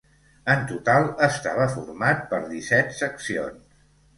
En total estava format per disset seccions.